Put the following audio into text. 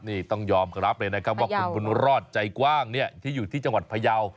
นี่ต้องยอมรับเลยนะครับว่าคุณบุญรอดใจกว้างเนี่ยที่อยู่ที่จังหวัดพยาว